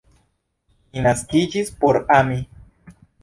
Mi naskiĝis por ami.